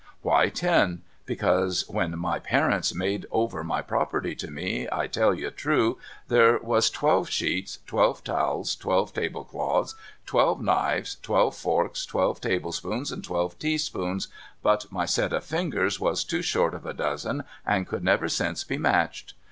Why ten ? I'ccausc, when my parents made over my property to me, I tell you true, there was twelve sheets, twelve towels, twelve table cloths, twelve knives, twelve forks, twelve tablespoons, and twelve teaspoons, but my set of fingers was two short of a dozen, and could never since be matched.